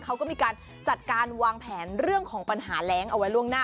เขาก็มีการจัดการวางแผนเรื่องของปัญหาแรงเอาไว้ล่วงหน้า